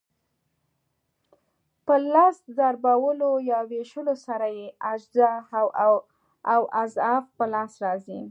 په لس ضربولو یا وېشلو سره یې اجزا او اضعاف په لاس راځي.